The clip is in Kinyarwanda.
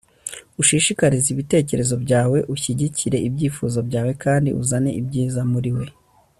ushishikarize ibitekerezo byawe, ushyigikire ibyifuzo byawe, kandi uzane ibyiza muriwe